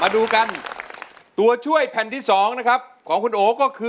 ดูกันตัวช่วยแผ่นที่๒นะครับของคุณโอก็คือ